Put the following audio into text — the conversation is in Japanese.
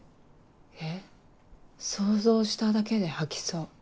えっ想像しただけで吐きそう。